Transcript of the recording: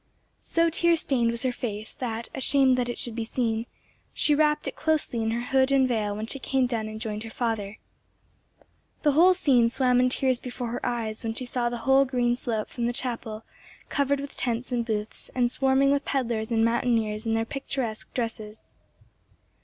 So tear stained was her face, that, ashamed that it should be seen, she wrapped it closely in her hood and veil when she came down and joined her father. The whole scene swam in tears before her eyes when she saw the whole green slope from the chapel covered with tents and booths, and swarming with pedlars and mountaineers in their picturesque dresses.